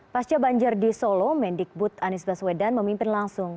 pasca banjir di solo mendikbud anies baswedan memimpin langsung